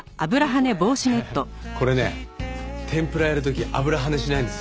これね天ぷらやる時油跳ねしないんですよ。